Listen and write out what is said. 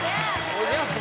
おじゃす！